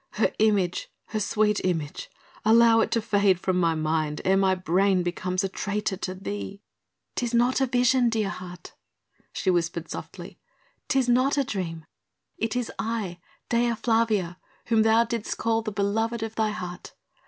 Her image, her sweet image, allow it to fade from my mind ere my brain becomes a traitor to Thee!" "'Tis not a vision, dear heart," she whispered softly, "'tis not a dream. It is I, Dea Flavia, whom thou didst call the beloved of thy heart.